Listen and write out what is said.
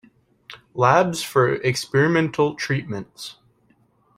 Labs for experimental treatments.